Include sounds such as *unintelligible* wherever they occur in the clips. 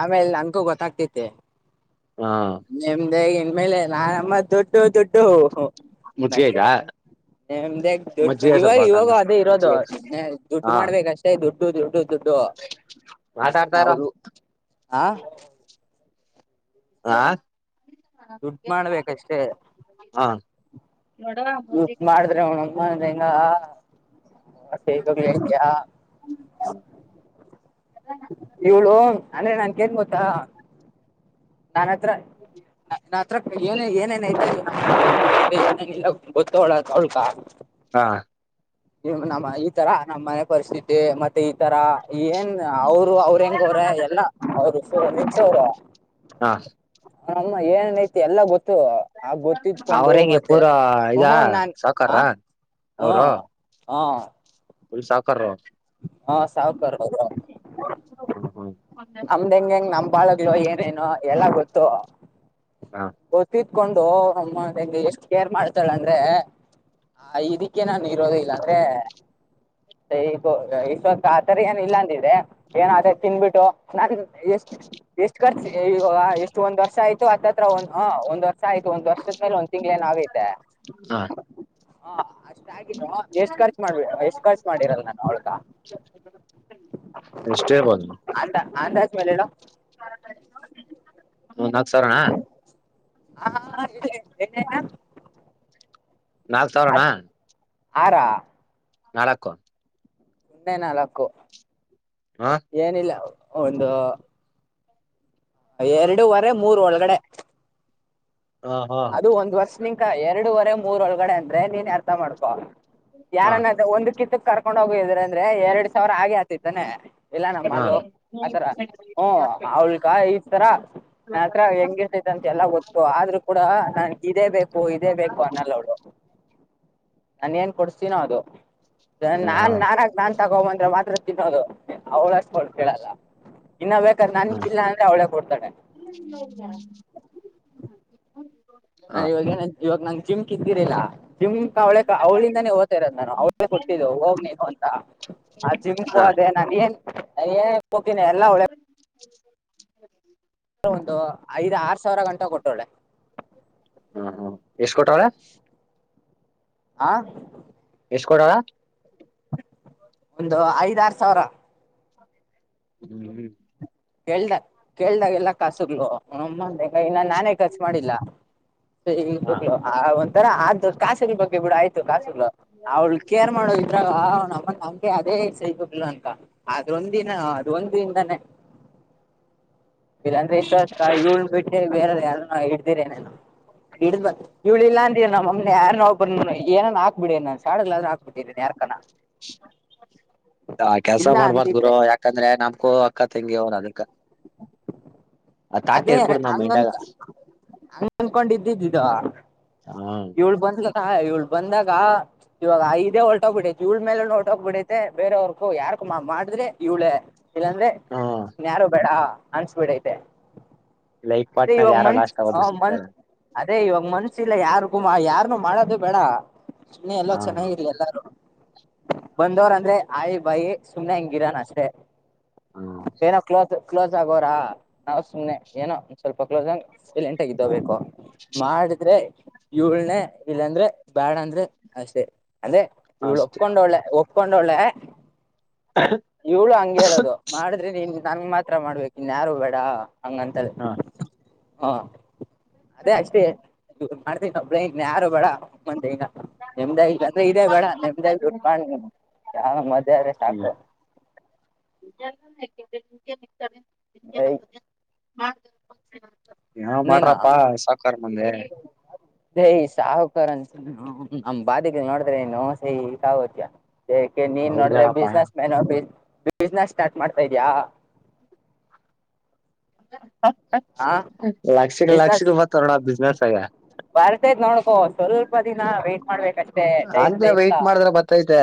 ಆಮೇಲೆ ನನ್ಗೂ ಗೊತ್ತಾಗ್ತಿತೆ ಹಾ ನೆಮ್ಮದಿಯಾಗಿ ಆಮೇಲೆ ನಾಮ್ಮ ದುಡ್ಡು ದುಡ್ಡು *unintelligible* ನಿಮ್ದ ದುಡ್ ಮಜ್ಜಿಗೆ ಇವಾಗ ಸ್ವಲ್ಪ ಇವಾಗ ಹಾಕಣ ಅದೇ ಇರೋದು ಮಜ್ಜಿಗೆ ದುಡ್ಡು ಹಾ ಮಾಡ್ಬೇಕ ಅಷ್ಟೇ ದುಡ್ಡು ದುಡ್ಡು ದುಡ್ಡು ಹ ಮಾತಾಡ್ತಾ ಇರು ಆ ಹಾ ದುಡ್ಡು ಮಾಡ್ಬೇಕಷ್ಟೇ ಹಾ *unintelligible* ಹ *unintelligible* ಇವಳು ಅಂದ್ರೆ ನಾ ಅಂದ್ರೆ ನಂಗೆ ಹೆನ್ ಗೊತ್ತಾ ನನ್ ಹತ್ರ ನಾ ಹತ್ರ ಏನ ಏನೇನು ಐತೆ ಹೆನ್ ಹೆನ್ ಇಲ್ಲ ಅಂಥ ಗೊತ್ತು ಅವ್ಗ ಹಾ ನಿ ನಮ್ಮ ಈ ತರ ನಮ್ಮ್ ಮನೆ ಪರಿಸ್ಥಿತಿ ಮತ್ತೆ ತರ ಏನ್ ಅವರು ಅವ್ರ ಹೆಂಗ ಅವ್ರ ಎಲ್ಲ ಅವರು ನಿಚ ಅವರ ಹಾ ಹಮ್ಮ ಏನನ್ ಐತಿ ಎಲ್ಲ ಗೊತ್ತ ಆ ಅವ್ರ ಗೊತ್ತಿತ್ಕೊಂಡು ಹೆಂಗೆ ಪೂರಾ ಮತ್ತೆಹ ನಾನ್ ಹ ಅವ್ರು ಹಾ ಫುಲ್ ಸಾಹುಕಾರು ಹಾ ಸಾವ ಕಾರು ಹ್ಮ್ ಹ್ಮ್ ನಮ್ದ ಹೆಂಗಗೆ ಹೆಂಗ್ ನಮ್ ಬಾಳಗ್ಗಳು ಏನೇನು ಎಲ್ಲ ಗೊತ್ತು ಹಾ ಗೊತ್ತತ್ಕೊಂಡು ಅಮ್ಮಗೆ ಎಷ್ಟು ಕೇರ್ ಮಾಡ್ ಲ್ಲ ಅಂದ್ರೆ ಆ ಇದಕ್ಕೆ ನಾನು ಇರೋದ ಇಲ್ಲ ಅಂದ್ರೆ ಸ ಈಗ ಇವ ಆತರ ಏನು ಇಲ್ಲಾಂದಿದೆ ಏನ ಆತ ತಿನ್ಬಿಟ್ಟು ನ ಎಷ್ಟು ಎಷ್ಟು ಖರ್ಚು ಎಷ್ಟು ಒಂದ್ ವರ್ಷ ಆಯ್ತು ಅತ್ತತ್ರ ಒ ಹ ಒಂದ್ ವರ್ಷ ಆ ಆಯ್ತು ಒಂದ್ ವರ್ಷದ ಮೇಲೆ ಒಂದ್ ತಿಂಗ್ಳ ನಾವೈತೆ ಹಾ ಷ್ಟಗ ಎಷ್ಟು ಖರ್ಚು ಮಾಡ್ ಎಷ್ಟು ಖರ್ಚು ಮಾಡಿರಲ್ಲ ನಾನು ಅವಳ್ಕ ಎಷ್ಟ್ ಹೇಳ್ಬೋದು ಅಂತ ಅಂದಾಜ ಮೇಲೆಡ ಒಂದ್ ನಾಕ್ ಸಾವಿರನಾ ಹಾ ಇ ಎನನ ನಾಲ್ಕು ಸಾವಿರನ ಆರಾ ನಾಲ್ಕು ಒನ್ನೆ ನಾಲ್ಕು ಹ ಏನಿಲ್ಲ ಒಂದು ಎರಡುವರೆ ಮೂರ್ ಒಳಗಡೆ ಹಾ ಹಾ ಹಾ ನಿನ್ಕ ಎರಡೂುವರೆ ಮೂರ್ ಒಳಗಡೆ ಅಂದ್ರೆ ನೀನ್ ಅರ್ಥ ಮಾಡ್ಕೋ ಹಾ ಯಾರನ್ನ್ರ ಒಂದು ಕಿತ್ತ ಕರ್ಕೊಂಡ್ ಹೋಗಿದ್ರ ಅಂದ್ರೆ ಎರಡ್ ಸಾವಿರ ಆಗಿ ಆತತಾನೆ ಇಲ್ಲಾ ನಮ್ಮಲ್ಲ ಹ್ಮ್ ಆತರ ಹಾ ಹ ಅವಳ್ಕ ಈತರ ನನ್ತ್ರ ಹೆಂಗಗೆತೈಂತೆ ಎಲ್ಲಾ ಗೊತ್ತು ಆದ್ರೂ ಕೂಡ ನನ್ಗೆ ಇದೇ ಬೇಕು ಇದೇ ಬೇಕು ಅನ್ನಲ್ಲ ಅವು ನಾನ ಏನ್ ಕೊಡ್ಸ್ತೀನೋ ಅದು ಹ್ಮ್ ಹಾ ನಾನ್ ಹಾ ನಾಗ ನಾನ್ ತಗೋಂದ್ರೆ ಮಾತ್ರ ತಿನ್ನೋದು ಅವಳಷ್ಟ ಮಾಡ ಕಲ್ಲ ಇನ್ನ್ ಬೇಕಾದ ನನ್ಕ್ಕಿಲ್ಲ ಅಂದ್ರೆ ಅವಳೇ ಕೊಡ್ತಾಳೆ ನಾ ಹ್ಮ್ ಇವಾಗ ಏನ ಇವಾಗ ನಂಗ್ ಜಿಮ್ ಇದಿದ್ದೀರಿಲ್ಲಾ ಜಮ್ ಅವಳೆ ಅವಳಿಂದಾನೇ ಓ್ತರೋದದು ನಾನು ಅವಳೇ ಕೊಟ್ಟಿದ್ದೆ ಹೋಗ್ ನೀವು ಅಂತ ಆ ಜಿಮ್ ಹ ಅದೆೇ ನಾನ ಏನ್ ಏನ್ ಹೋತೀನಿ ಎಲ್ಲಾ ಒಳೆ ಹ್ಮ ಒಂದು ಐದ್ ಆರ್ ಸಾವಿರ ಗಂಟ ಕೊಟ್ಟಳೆ ಎಷ್ಟ ಕೊಟಳ ಆ ಎಷ್ಟ ಕೊಟ್ಟಳ ಒಂದು ಐದಾರ ಸಾವಿರ ಹ್ಮ್ಮ *inaudible* ಕೇಳ್ದಾಗ ಕೇಳ್ದಾಗೆಲ್ಲ ಕಾಸುಗ್ಗಳು ನಮ್ಮಂದಂಗ ಇನ್ನ ನಾನೇ ಖರ್ಚು ಮಾಡಿಲ್ಲ ಸ ಹಾ ಹ ಆ ಒಂಥರ ಆದ ಕಾಸರಿ ಬಗ್ ಬಿಡ ಆಯ್ತು ಕಾಸುಗಳು ಅವ್ಳು ಕೇರ್ ಮಾಡೋ ಇದ್ರಾಗ ಅವ ನಮ್ಮನ ನಂಕೆ ಅದೇ ಸಿಬ ಅಂತ ಅದ್ದಿನ ಅದು ಒಂದಿನದಾನೇ ಇಲ್ಲಾಂದ್ರೆ ಇ ಕ ಇ ಬಿಟ್ಟ್ರೆ ಬೇರೆ ಯಾರು ಹ ಇಡ್ದಿರ ನಾನು ಹಡ್ ಬ ಇವ್ಳ ಇಲ್ಲ ಅಂತೀವ ನಮ್ಮಮ್ಮನ ಯಾರು ನಾವು ಬಂದ ಏನ ಹಾಕ್ಬಿಡಿ ನಾನ್ ಶಡಾದ ಹಾಕ್ಬಿಟ್ಟಿ ಯಾರ್ಕನ ಹ ಕೆಲ್ಸ ಇಲ್ಲ ಮಾಡ್ಬಾರ್ದ್ ಗುರು ಅಂದಿದ್ರೆ ಯಾಕಂದ್ರೆ ನಮಕೂ ಅಕ್ಕ ತಂಗಿ ಅದ *inaudible* ಅದೇ ಹಂಗನ್ ಹಂಗನ್ಕೊಂಡ ಇದ್ದಿದ್ದಿದ್ದ ಹ ಏಳು ಬಂದ್ ಹ ಇವ್ಳು ಬಂದಾಗ ಇವಾಗ ಐೇ ಹೊಲ್ಟೋಗ್ಬಿಡೈತಿ ಇವಳ ಮೇಲೆ ಹೊಟೋಗಿ ಬಿಡೈತೆ ಬೇರೆವ್ರಗು ಯಾರ ಕಮ ಮಾಡಿದ್ರೆ ಇವಳೇ ಇಲ್ಲಾಂದ್ರೆ ಹ್ಮ ನನ್ಯಾರು ಬೇಡ ಅನ್ಸ್ಬಿಡಐತೆ ಲೈಫ್ ಪಾರ್ಟ್ನರ್ ಇವಾಗ ಯಾರೋ ಮನ್ ಲಾಸ್ಟ್ ಆಗ ಒಬ್ರು ಮನ್ ಸಿಗ್ತಾರೆ ಅದೇ ಇವಾಗ ಮನ್ಸ ಇಲ್ಲ ಯಾರಿಗೂ ಯಾರನುು ಮಾಡೋದು ಬೇಡ ಸುಮ್ಮನೆ ಹ ಎಲ್ಲೋ ಚೆನ್ನಾಗಿರಿ ಎಲ್ಲಾರು ಬಂದವ್ರ ಅಂದ್ರೆ ಆಾಯಿ ಬಾಯಿ ಸುಮ್ನೆ ಹೆಂಗಿರಾನ ಅಷ್ಟೆ ಹ್ಮ ಏನೋ ಕ್ಲೋಸ್ ಕ್ಲೋಸ್ ಆಗೋರಾ ನಾವವು ಸುಮ್ನೆ ಏನೋ ಒ ಸ್ವಲ್ಪ ಕ್ಲೋಸ್ ಆಂಗ ಇಲ್ಲಿ ಇಂಟಾಗ್ದಬೇಕು ಮಾಡಿದ್ರೆ ಇವಳನೆೇ ಇಲ್ಲ ಅಂದ್ರೆ ಬ್ಯಾಡ ಅಂದ್ರೆ ಅಷ್ಟೆ ಅಂದ್ರೆ ಇವ್ಳ ಅಷ್ಟೇ ಹ ಒಕೊಂಡ ಒಳ್ಳೆ ಕತ್ಕೊಂಡ ಒೊಳ್ಳೆ ಇವಳು ಹಂಗ ಹೇಳೋದು ಮಾಡಿದ್ರೆ ನೀನ್ ನಂ ಮಾತ್ರ ಮಾಡ್ಬೇಕು ಇನ್ನು ಯಾರು ಬೇಡ ಹಂಗಂತ ಹ್ಮ್ ಹಾ ಅದೇ ಅಷ್ಟೇ ನೀ ಮಾಡ್ತೀನ ಒಬಳನ್ ಯಾರು ಬಡ ಮಂದೆಗ ನೆಮದಾಗಿ ಅ್ರೆ ಇದೆ ಬೇಡ ನೆಮದಾಗಿ ದುಡ್ಡು ಮಾಡ ಯಾವ ಮಜ ಅ ರೆ ಸಾಕು ನಐ ಹ ಯಾವ ಮಾಡ್ರಪ್ಪಾ ಸಾಕಾರ್ ಮಂದಿ ಹ್ಮ ನಮ್ ಬಾದಿಗೆ ನೋಡಿದ್ರೆ ಏನು ಸಹಿ ಕಾಗೋತಿಯ ಯಾಕೆ ನೀನ್ ನೋಡ್ರೆ ಹೌದೇಳಪ್ಪಾ ಬಿಸ್ನೆಸ್ ಮ್ಯಾನ್ ಆ ಬಿಸ್ನೆಸ್ ಸ್ಟಾರ್ಟ್ ಮಾಡ್ತಾ ಇದ್ಯಾ ಹಾ ಲಕ್ಷಿಕ ಬಿಸ್ನೆಸ್ ಲಕ್ಷಿಕೂಪ ತರಣ ಬಿಸನೆಸ್ ಗ ಓ ಸ್ವಲ್ಪ ದಿನ ವೇಟಟ್ ಮಾಡ್ಬೇಕತು ವೈಟಟ್ ಮಾಡಿದ್ರ ಬತ್ತೈತೆ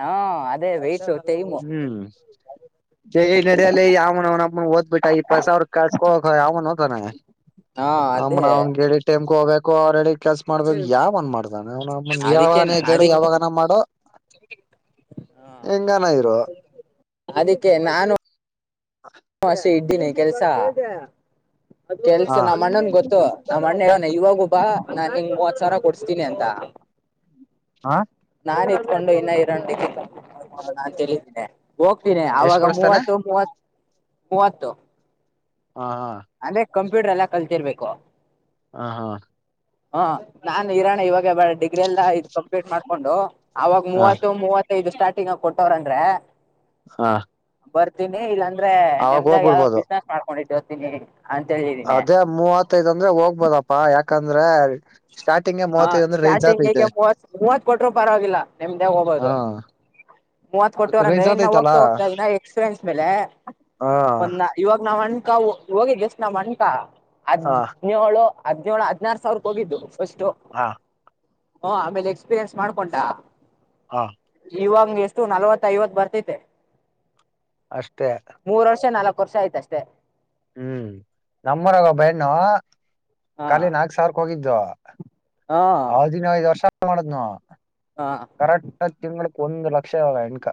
ಹಾ ಅದೇ ವೈಟು ಟೈಮು ನಡಿಯಲ್ಲ ಈ ಆಮ ಅವ ಹೊತ್ ಬೇಟಾ ಈ ಪಸಾವ ಕಾಚ ಕೊೋ ಆಮನ ಹೊತ ಹಾ ಅದೇ ಅವಮ್ಮನ ಅವ್ನ್ ಗಿಡಿ ಟೈಮ್ಗೆ ಹೋಗಬೇಕು ಅವ್್ರ ಹೇಳ ಕೆಲ್ಸ ಮಾಡ್ಬೇಕು ಯಾವಂದ ಮಾಡ್ದಾನ ಅದಕ್ಕೆ ಯಾವನ ಜಡು ಅದಿ ಯಾವಾಗನ ಮಾಡು ಹಾ ಹೆಂಗಾನ ಇರುವ. ಅದಕ್ಕೆ ನಾನು. ಹ ಅಷ್ಟೆ ಇದ್ದೀನಿ ಕೆಲ್ಸ ಕೆಲ್ಸ ಹ ನಮ್ಮ್ ಅಣ್ಣನ್ ಗೊತ್ತು. ನಾ ಮಣ್ಣಣ ಇವಾಗಬ್ಬಾ ನಾನ್ ಹೆಂಗ್ ಮೂವತ್ ಸಾವರ ಕೊಡ್ಸ್ತೀನಿ ಅಂತ. ಆ ನಾನು ಇಟ್ಕೊಂಡು ಇನ್ನ ಇರ ಕಂಪ್ಟ್ ಮಾಡ್ಕೊಂಡು ನಾನು ತಿಳಿದ್ದೇನೆ. ಹೋಗ್ತೀನಿ ಎಷ್ಟ್ ಆಗ ಕೊಡಸ್ತಾನೆ ಮೂವತ್ತು ಮೂವತ್ತು. ಮೂವತ್ತು ಹಾ ಹಾ. ಅಂದ್ರೆ ಕಂಪ್ಯೂಟರ್ ಎಲ್ಲ ಕಲ್ತಿರ್ಬೇಕು ಹಾ ಹಾ ಹಾ ನಾನ್ ಇರೋಾಣ ಇವಾಗ ಬಾಳ ಡಿಗ್ರಿ ಎಲ್ಲಾ ಕಂಪ್ಲೀಟ್ ಮಾಡ್ಕೊಂಡು ಅವಾಗ ಹ ಮೂವತ್ತು ಮೂವತ್ತೈದು ಸ್ಟಾರ್ಟಿಂಗ್ ಆಗಿ ಕೊಟ್ಟವ್ರನ್್ರ ಹಾ ಬರ್ತೀನಿ ಇಲ್ಲಾಂದ್ರೆ ನಿಮ್ದಾಗ ಯಾವ್ದ್ ಬಿಸ್ನೆಸ್ ಮಾಡ್ಕೊಂಡಿಟ್ಟು ಹೋಗರ್ತೀನಿ ಅದೇ ಮೂವತ್ತೈದ್ ಅಂದ್ರೆ ಹೋಗ್ಬೋದಪ್ಪಾ ಯಾಕಂದ್ರೆ ಸ್ಟಾರ್ಟಿಂಗ್ಗೆ ಹಾ ಮೂವತ್ತೈದ್ ಅಂದ್ರೆ ರೈಸ್ ಆತೈತೆ ಸ್ಟಾರ್ಟಿಂಗ್ಗೆ ಮೂವತ್ ಮೂವತ್ ಕೊಟರು ಪರವಾಗಿಲ್ಲ ನಿಮ್ದೇ ಹ ಹೋಗೋದು ಮೂವತ್ ಕೊಟ್ಟುವರ ಅಂದ್ರೆ ರೈಸ್ ಇನ್ನು ಆತೈತಲ್ಲ ಹೋಗ್ತಾ ಹೋಗ್ತಾ ಇದ ಎಕ್ಸ್ಪೀರಿಯನ್ಸ್ ಮೇಲೆ ಹ ಒಂದ ಇವಾಗ ನಾವ್ಣ ಅಕ ಹೋಗಿದ್ದ್ ಎಷ್ಟಟ್ ನಾವ್ ಅನಕ ಹ ಹದ್ಿನೇಳು ಹದ್ಿನೇಳು ಹದ್ಿನಾರು ಸಾವಿರಕ್ಕೆ ಹೋಗಿದ್ದು ಹ ಅು ಆಮೇಲೆ ಎಕ್ಸ್ಪೀರಿಯನ್ಸ್ ಮಾಡ್ಕೊಂಟಾ ಹ ಇವಂಗ ಎಷ್ಟು ನಲ್ವತ್ತ ಐವತ್ ಬರ್ತತೆ ಅಷ್ಟೇ ವರ್ಷ ಆಯ್ತ ಅಷ್ಟೇ ಹ್ಮ್ ನಮ್ಮರಗ ಬ್ಣ ಹಾ ಕಖಾಲ ನಾಕ್ ಸಾವಿರಕ್ಕೆ ಹೋಗಿದ್ದು ಹಾ ಹ ದಿನ ಐದು್ ವರ್ಷ ಮಾಡುದ್ನು ಹ ಕರೆಕ್ ತಿಂಗಳು ಒಂದು ಲಕ್ಷ ಇಾಗ ಎನ್ಕ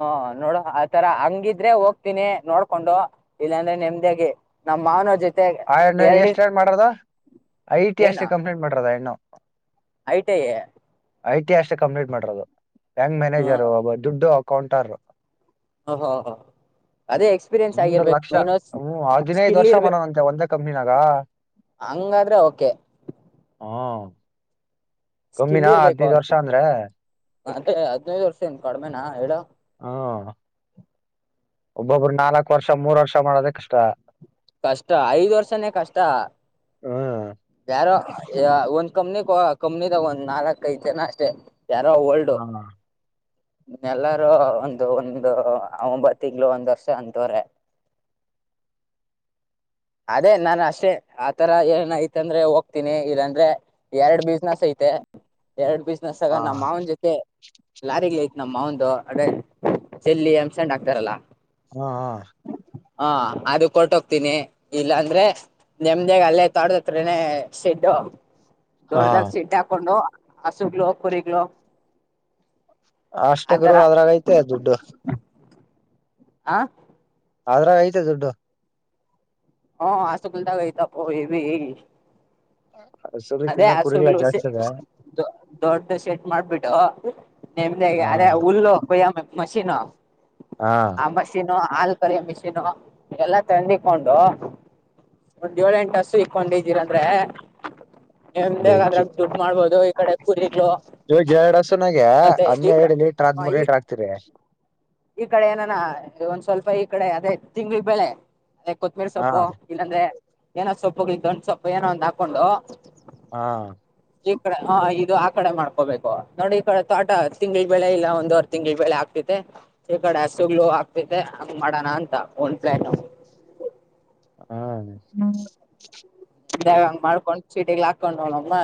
ಹಾ ನೋಡ ಆತರ ಹಂಗಿದ್ರೆ ಹೋಗ್ತೀನಿ ನೋಡ್ಕೊಂಡು ಇಲ್ಲಾಂದ್ರೆ ನೆಮದಾಗಿ ಮಾನವಜ ಆ ಎಷ್ಟ ಏನ್ ಮಾಡ್ರದ ಐ ಟಿ ಅಷ್ಟೇ ಕಂಪ್ಲೇಂಟ್ ಮಾಡದ ಇನ್ನು ಆಯ್ತಯ ಐ ಟಿ ಅಷ್ಟೇ ಕಂಪ್ಲೀಟ್ ಮಾಡರೋದು ಬ್ಯಾಂಕ್ ಹ ಮ್ಯಾನೇಜರ್ ಒಬ್ಬ ದುಡ್ಡು ಅಕೌಂಟರ್ ಓಹೋ ಅದೇ ಎಕ್ಸ್ಪೀರಿಯನ್ಸ್ ಒಂದು್ ಆಗಿರ್ಬೇಕು ಲಕ್ಷ ಮೈನು ಹ್ಮ್ ಹದಿನೈದು ಸ್ಕಿಲ್ ವರ್ಷ ಇರ್ಬೇಕು ಮಾಡೋಣ ಒಂದ ಕಂಪ್ನಿಿನಾಗಾ ಹಂಗಾದ್ರೆ ಓಕೆ ಹ ಸ್ಕಿಲ್ ಇರ್ಬೇಕು ಮತ್ತೆ ಹದಿನೈದು ವರ್ಷಿಂದ ಕಡಿಮೆನಾ ಹೇಳ ಹ್ಮ ಒಬ್ಬೊಬ್ಬರು ನಾಲ್ಕ್ು ವರ್ಷ ಮೂರ್ ವರ್ಷ ಮಾಡೋದ ಕಷ್ಟ ಕಷ್ಟ ಐದ್ ವರ್ಷನೇ ಕಷ್ಟ ಹ್ಮ್ ಯಾರೋ ಒ ಕಮ್ಮನಿ ಕಮ್ಮನಿ ತಗೊಂಡ್ ನಾಕ ಕೈತೆೇನೆ ಅಷ್ಟೆ ಯಾರೋ ಲ್ಡು ಹ ಎಲ್ಲಾರೂ ಒಂದು ಒಂದು ಒಂಬತ್ ತಿಂಗಳ ಒಂದ್ ವರ್ಷ ಅಂತವ್ರ ಅದೇ ನಾನ ಅಷ್ಟೇ ಆತರ ಏನಐತ ಅಂದ್ರೆ ಹೋಗ್ತೀನಿ ಇಲ್ಲಾಂದ್ರೆ ಎರಡ್ ಬಿಸ್ನೆಸ್ ಐತಿ ಮ ಎರಡ್ ಬಿಸ್ನೆಸ್ ಸಗ ನಮ್ಮ ಹ ಮಾವನ ಜೊತೆ ಲಾರಿಗ್ಲೈತ್ ನಮ್ಮ ಒಂದು ಅದೇ ಚೆಲ್ಲಿ ಅಂಸಂಡ ಆಗ್ತಾರಲ್ಲ ಹ್ಮ ಹಾ ಹಾ ಅದು ಕೊಟ್ಟ ಹೋಗ್ತೀನಿ ಇಲ್ಲ ಅಂದ್ರೆ ನೆಮದಾಗ ಅಲ್ಲೇ ತೊಡದತ್ರನೆ ಶೆಡ್ಡು ಹಾ ದೊಡ್ಡ್ದಾಗ ಸಿೀಟ್ಟ ಹಾಕೊಂಡು ಹಸುಗ್ಗಳು ಕುರಿಗ್ಲು ಅಷ್ಟ ಗುರು ಆತರ ಅದ್ರಾಗಐತೆ ದುಡ್ಡು ಆ ಅದ್ರಾಗ ಐತೆ ದುಡ್ಡು ಹ ಆಸುಕಲ್ತಾ ಗ ತಾಪ್ಪ ಇ ಹ ಅದೇ ಹಸುಗ್ಲಸ ದೊಡ್ಡ ಶೆಟ್ ಮಾಡ್ಬಿಟ್ಟು ನಿೆಮ್ದ ಹಾ ಅರೆ ಹುಲ್ಲು ಕೊಯ ಮಷೀನು ಹಾ ಆ ಮಷಿನು ಹಲ್ ಕರಿ ಮಿಷೀನು ಎಲ್ಲಾ ತಂಡಿಕೊಂಡು ಒಂದ ಏಳ ಎಂಟುಸು ಇಕ್ಕೊಂಡಿದ್ದೀರಂದ್ರೆ ಎ್ದೇಾಗ ಅದಾಗ ದುಡ್ಡು ಮಾಡ್ಬೋದು ಈ ಕಡೆ ಪುರಿ ಹೋಗ ಎರಡ್ಸನಾಗೆ ಅನ್ನ ಈ ಎರಡ್ ಲೀಟರ್ ಹ ಆದದ್್ಮೂರ್ ಈ ಲೀಟರ್ ಆಾಕ್ತಿೀರಿ ಈ ಕಡೆ ಏನಾನ ಒಂದ್ ಸ್ವಲ್ಪ ಈ ಕಡೆ ಅದೇ ತಿಂಗಳ ಬೆಳೆ ಅದೇ ಕೊತ್ಮಿರಿ ಹಾ ಸೊಪ್ಪು ಇಲ್ಲಾಂದ್ರೆ ಏನೋ ಸೊಪ್ಪು ಗೊಂಡ ಸೊಪ್ಪು ಏನೋ ಒಂದ್ ಹಾಕೊಂಡು ಹಾ ಈ ಕಡೆ ಹ ಇದು ಆ ಕಡೆ ಮಾಡ್ಕೋಬೇಕು ನೋಡಿ ಈ ಕಡೆ ತೋಟ ತಿಂ್ಗಳು ಬೆಳೆ ಇಲ್ಲ ಒಂದವರ್ ತಿಂಗ್ಳ ಬೆಳೆ ಆಗ್ತ ಈ ಕಡೆ ಅಷ್ಟು ಗ್ಲೋ ಆಗ್ತತೆ ಹಂಗ ಮಾಡೋಣ ಅಂತ ಒನ್್ ಪ್ಲಾನ್ ಹಾ ದಾವಂಗ್ ಮಾಡ್ಕೊಂಡ ಸೀಟಿಗ್ ಹಾಕೊಂಡ್ಮ್ಮ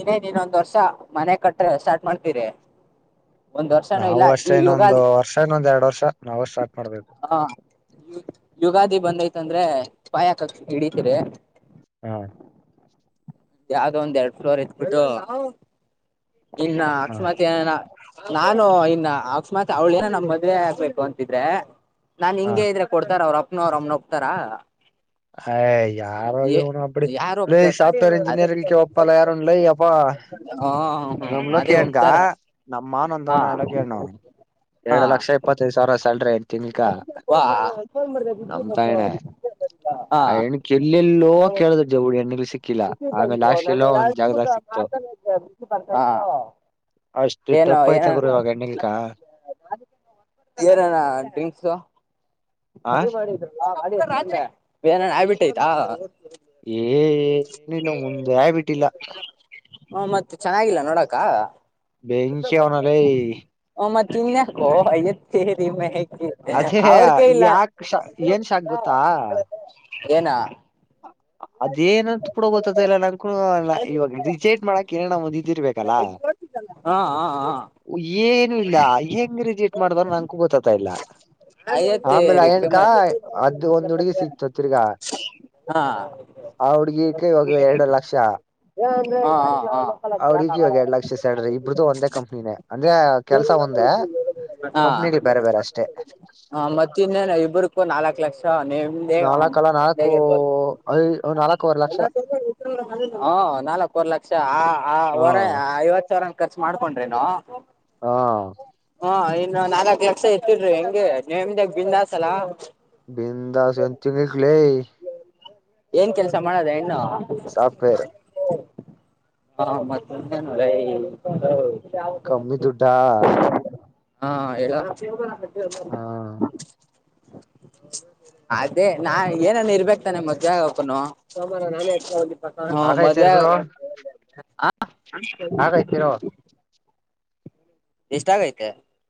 ಇನ್ನೇ ನೀನ್ೊಂದ್ ವರ್ಷ ಮನೆ ಕಟ್ಟ್ರ ಸ್ಟಾರ್ಟ್ ಮಾಡ್ತೀರಿ *inaudible* ನಾವು ಇಲ್ಲ ಅಷ್ಟೇ ಈ ಇನ್ನೊಂದು ಯುಗಾದಿ ವರ್ಷ ಇನ್ನೊಂದ್ ಎರಡ್ ವರ್ಷ ನಾವವು ಸ್ಟಾರ್ಟ್ ಮಾಡ್ಬೇಕು ಹ ಯುಗಾದಿ ಬಂದೈತಂದ್ರೆ ಪಾಯಕ ಹಿಡಿತರಿ ಹಾ *unintelligible* ಯಾವದೋ ಒಂದ್ ಎರಡು ಫ್ಲೋರ್ ಇಟ್ಟ ಬಿಟ್ಟು ಇನ್ನ ಹಾ ಅಕಸ್ಮಾತ್ ಏನರ *unintelligible* ನಾನು ಇನ್ನ ಅಕಸ್ಮಾತ್ ಅವಳ ಏನ ನಮ್ಮ ಮದ್ವೆ ಆಕ್ಬೇಕು ಅಂತಿದ್ರೆ? *unintelligible* ನಾನ್ ಹಾ ಹಿಂಗೆ ಹೇಳಿದರೆ ಕೊಡ್ತಾರ ಅವರ ಅಪ್ಪನ ಅವರ ಅಮ್ಮ ನೋ ಹೋಗ್ತಾರ? *unintelligible* ಹಾಯ್ ಯಾರ ಇವನು ಅಪಡಿಕೆ ಯಾರು ಲೇ ಒಪ್ತಾರ ಸಾಫ್ಟ್ವೇರ್ ಇಂಜಿನಿಯರಿಂಗ್ ಕೇ ಒಪ್ಪಲ್ಲ ಯಾರುನ ಲೈ ಎಪ್ಪಾ? *unintelligible* ಆ ಹಾ *unintelligible* ನಂಬಲೋಕೇ ಹಂಗ್ ನಮ್ಮ ಮಾವನ ಹಾ ಅಂತಾವನ ಹೇಣ ಕೇಳ ನೋಡ್ *unintelligible* ಹಾ ಎರಡ್ ಲಕ್ಷ ಇಪ್ಪತ್ತೈದು ಸಾವಿರ ಸ್ಯಾಲ್ರಿ. *unintelligible* ವಾ *inaudible* *unintelligible* ನಮ್ ತಾಯಣೆ ಹಾ ಆ ಹೆಣ್ಕ್ ಎಲ್ಲೆಲ್ಲೋ ನಮಗ ಕೇಳಿದ್ರ ಜವುಡಿ ಹೆಣ್ಣಿಗ್ ಸಿಕ್ಕಿಲ್ಲ ಇಲ್ಲಿಗೆ ಆಮೇಲೆ ಬಂತ್ ಲಾಸ್ಟ್ ಅದ ಎಲ್ಲೋ ಒಂದ್ ಎಲ್ಲಾ? *inaudible* ಜಾಗದಾಗ *unintelligible* ಸಿಕ್ತು ಪಾರ್ಕಲ್ಲಿ ನಿಂತ ಕುಂತಿರ್ತಾರ? *unintelligible* ಹಾ ಅಷ್ಟು ಏನು ಟಪ್ ಏನ? ಐತ ಗುರು ಇವಾಗ ಹೆಣ್ಣಿಲ್ಕ *unintelligible* ಏನ ಅಣ್ಣನಾ? *unintelligible* ತಿಂಕ್ಸು ಆ ಡಬ್ಬಿ ಮಾಡಿದರ ಅಲ್ಲಾ ರಾಡಿ ಹತ್ತಿಲ್ಲ ಏನರ ಆಗ್ಬಿಟೈತಾ? *unintelligible* ಏನ್ ನೀ ಇನಿಲ್ ಮುಂದೆ ಆಗ್ಬಿಟ್ಟಿಲ್ಲ? *unintelligible* ಹು ಮತ್ತ ಚೆನ್ನಾಗಿಲ್ಲ ನೋಡಕ್ಕ? *unintelligible* ಬೆಂಕಿ ಅವನ ಲೇ? *unintelligible* ನಿನಗ ಓ ಆಗಿತಿ ತೇರಿ ಮ್ಯಾಗಿ ಅವರ *unintelligible* ಯಾಕ್ ಶಾ ಏನ್ ಶಾಕ್ ಗೊತ್ತಾ? *unintelligible* ಏನ್? *unintelligible* ಅದೇನಂತ ಕೂಡ ಗೊತ್ತ ಆಯತ್ತ ಇಲ್ಲ ನಂಕೂ ಇವಾಗ ರಿಜೆಕ್ಟ್ ಮಾಡಕ್ ಏನರ ಒಂದ ಇದಿರ್ಬೇಕಲ್ಲಾ? *unintelligible* ಕೊಟ್ಟಿದ ಅಲ್ಲಾ ಹ ಹಾ ಹಾ *unintelligible* ಏನು ಇಲ್ಲ ಹೆಂಗ ರೆಜೇಟ್ ಮಾಡದಾ ನಂಗೂ ಗೊತ್ತ ಆಗ್ತಾ ಇಲ್ಲ. *unintelligible* ಆಮೇಲೆ ಅಯ್ಯತ್ತೇರಿ ಅಯ್ಯಣಕ ಕಿಮ್ಮತ್ ಅದು ಒಂದ್ ಹುಡುಗಿ ಸಿಕ್ತು ತಿರ್ಗಾ. *unintelligible* ಹಾ *unintelligible* ಆ ಹುಡಗಿಕ್ಕೆ ಇವಾಗ ಎರಡು ಲಕ್ಷ? *unintelligible* ಹಾ ಹಾ ಆ ಹುಡುಗಿಗೆ ಇವಾಗ ಎರಡ್ ಲಕ್ಷ ಸ್ಯಾಲರಿ ಇಬ್ರುದು ಒಂದೇ ಕಂಪ್ನಿನೇ ಅಂದ್ರೆ ಕೆಲಸಾ ಒಂ *unintelligible* ಒಂದೇ ಹಾ ಕಂಪ್ನಿನೀ ಬೇರೆ ಬೇರೆ ಅಷ್ಟೇ. *unintelligible* ಹ ಮತ್ತ ಇನ್ನೇನ ಇಬ್ರಕೂ ನಾಲ್ಕ್ ಲಕ್ಷ ನೆಮ್ಮದಿಯಾಗಿ ಆವ ನಾಲ್ಕಲ್ಲ ನಾಲ್ಕು ಮನೇಲಿ ಇರ್ಬೋದು. ಐ *unintelligible* ನಾಲ್ಕೂವರೆ ಲಕ್ಷ ಎಲ್ಲಾ ಸೇರಸಿ ಒಂದ ಹೆಸರ ಇಡಕ್ಕ ಆಗಲಿಲ್ಲ ಹಾ ನಾಲ್ಕುವರೆ ಲಕ್ಷ ಆ *unintelligible* ಆ ಅವ್ವರ ಹಾ ಐವತ್ ಸಾವಿರ ಖರ್ಚು ಮಾಡ್ಕೊಂಡ್ರಿ ಏನೋ? *unintelligible* ಹಾ *unintelligible* ಏನ್ ನಾಲ್ಕ ಲಕ್ಷ ಎತ್ತಡ್ರಿ ಹೆಂಗೆ ನೆಮ್ಮದಿಯಾಗಿ ಬಿಂದಾಸ್ ಅಲ್ಲಾ? *unintelligible* ಬಂದಾಸ್ ಎಂತಿ ಎದಕ್ಕ ಲೇ? *unintelligible* ಏನ್ ಕೆಲಸಾ ಮಾಡದು ಹೆಣ್ಣು? ಸಾಫ್ಟ್ವೇರ್ *unintelligible* ಹಾ ಮತ್ತ ನಿಂದ ಏನ್ ಲೇ ತೋ *unintelligible* ಕಮ್ಮಿ ದುಡ್ಡಾ? *unintelligible* ಹಾ ಹೇಳ ಚೇರ್ ಗಳ ಹಾಕ್ ಅಲ್ಲಿ. *unintelligible* ಹಾ *unintelligible* ಅದೇ ನಾ? *unintelligible* ಏನನ್ ಇರ್ಬೇಕ ತಾನೆ ಮದವೆ ಆಗಕನೂ ತೋಮ್ಬರು ನಾನೇ ಎಕ್ಸ್ಟ್ರಾ ಹೋಗಿ *unintelligible* ಹಾ ಮದುವೆ ಹಾಗೈತರ್ ಆಗ ಗುರು ಆ *unintelligible* ಹಾಗೈತಿರೋ ಎಷ್ಟ ಆಗೈತೆ? *unintelligible*